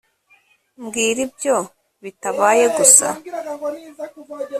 mbwira ibyo bitabaye gusa